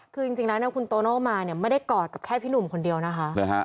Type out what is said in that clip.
คือจริงนะคุณโตโน่มาไม่ได้กอดกับแค่พี่หนุ่มคนเดียวนะคะ